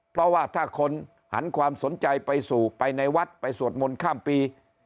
เพราะว่าถ้าคนหันความสนใจไปสู่ไปในวัดไปสวดมนต์ข้ามปี